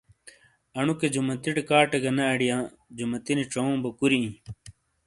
انوکے جیمتیٹے کاٹے گہ نے اڈیاں جمتینی چووں بو کوری آیں۔